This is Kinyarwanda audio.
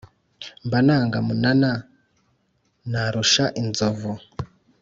mba nanga munana, narusha inzovu !"